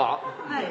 はい。